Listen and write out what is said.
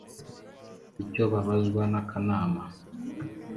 icyo babazwa n’ akanama